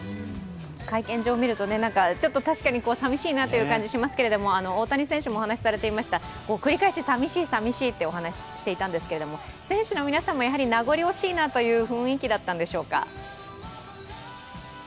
会見場を見るとさみしいなという感じがしますけど大谷選手もお話しされていました、繰り返し繰り返し、寂しい、寂しいというお話をしていたんですけれども、選手の皆さんも名残惜しいという雰囲気だったんでしょうか？